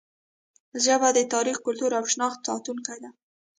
ژبه د تاریخ، کلتور او شناخت ساتونکې ده.